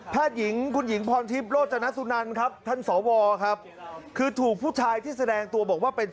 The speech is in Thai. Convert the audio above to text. พาดหญิงคุณหญิงพรทิศโรจญนต์ณสุนัลทันทสว